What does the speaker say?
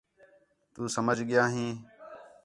تُو سمجھ ڳِیا ہین